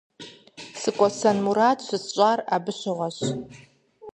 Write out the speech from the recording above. СыкӀуэсэн мурад щысщӀар абы щыгъуэщ.